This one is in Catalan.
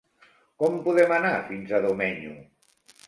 Com podem anar fins a Domenyo?